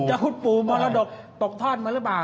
คุณปู่มรดกตกทอดมาหรือเปล่า